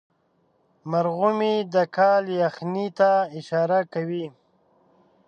مرغومی د کال یخنۍ ته اشاره کوي.